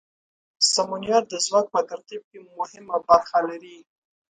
سمونیار د ځواک په ترتیب کې مهمه برخه لري.